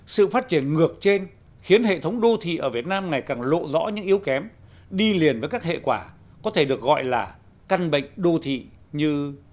sự phát triển ngược trên khiến hệ thống đô thị ở việt nam ngày càng lộ rõ những yếu kém đi liền với các hệ quả có thể được gọi là căn bệnh đô thị như